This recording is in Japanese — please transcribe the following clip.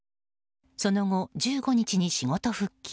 その後、１５日に仕事復帰。